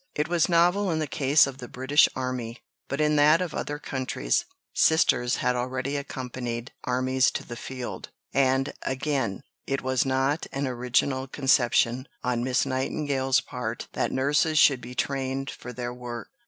It was novel in the case of the British Army, but in that of other countries Sisters had already accompanied armies to the field. And, again, it was not an original conception on Miss Nightingale's part that nurses should be trained for their work.